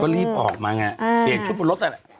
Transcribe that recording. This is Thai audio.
ก็รีบออกมาไงเปลี่ยนชุดบนรถอ่ะ